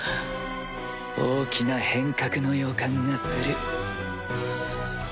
大きな変革の予感がする。